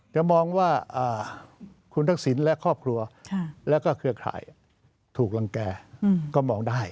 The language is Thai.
จะมองว่าคุณทักษิณและครอบครัวแล้วก็เครือข่ายถูกรังแก่ก็มองได้